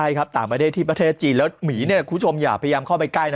ใช่ครับต่างประเทศที่ประเทศจีนแล้วหมีคุณผู้ชมอย่าพยายามเข้าไปใกล้นะ